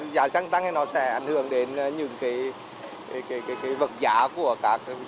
giá xăng tăng sẽ ảnh hưởng đến những vật giá của các xăng